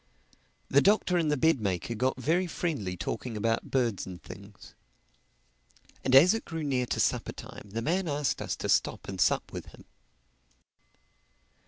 The Doctor and the bed maker got very friendly talking about birds and things. And as it grew near to supper time the man asked us to stop and sup with him.